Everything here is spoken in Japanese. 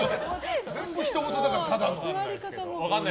全部、ひとごとだからただの。